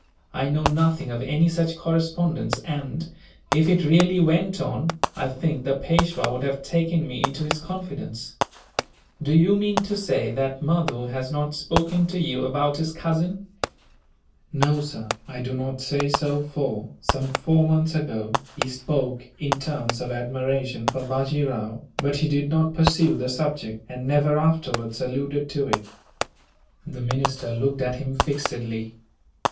I know nothing of any such correspondence and, if it really went on, I think the Peishwa would have taken me into his confidence." "Do you mean to say that Mahdoo has not spoken to you about his cousin?" "No, sir, I do not say so for, some four months ago, he spoke in terms of admiration for Bajee Rao; but he did not pursue the subject, and never afterwards alluded to it." The minister looked at him fixedly.